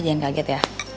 jangan kaget ya